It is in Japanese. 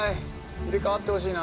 入れかわってほしいな。